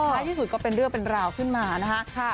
ที่สุดก็เป็นเรื่องเป็นราวขึ้นมานะคะ